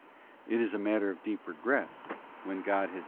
It is a matter of deep regret, when God has given CHAP.